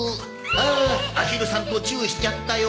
あアヒルさんとチュウしちゃったよ。